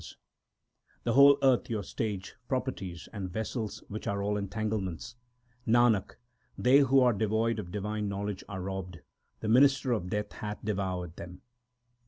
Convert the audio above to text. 224 THE SIKH RELIGION The whole earth your stage properties and vessels, which are all entanglements. Nanak, they who are devoid of divine knowledge are robbed ; the minister of death hath devoured them.